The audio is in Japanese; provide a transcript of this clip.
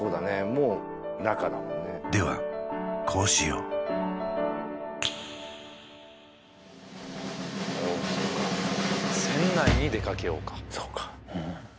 もう中だもんねではこうしようおおそっか「船内に出かけよう」かそうか